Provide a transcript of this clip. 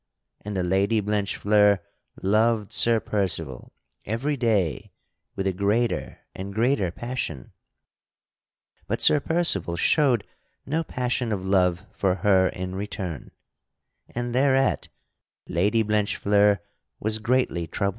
And the Lady Blanchefleur loved Sir Percival every day with a greater and greater passion, but Sir Percival showed no passion of love for her in return, and thereat Lady Blanchefleur was greatly troubled.